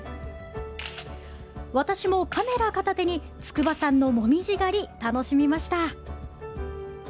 私もカメラ片手に筑波山の紅葉狩り、楽しみました。